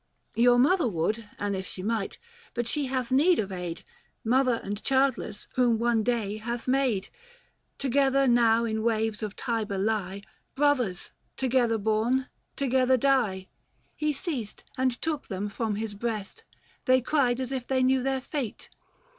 Your mother would An' if she might ; but she hath need of aid Mother and childless whom one day hath made ! 415 Together now in waves of Tiber lie — Brothers, together born, together die !" He ceased, and took them from his breast ; they cried, As if they knew their fate.